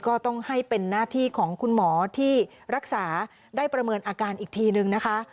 ก็ต้องให้เป็นหน้าที่ของคุณหมอที่รักษาได้ประเมินอาการอีกทีนึงนะคะ